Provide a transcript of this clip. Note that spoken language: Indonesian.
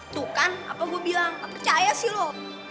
tuh kan apa gue bilang gak percaya sih lo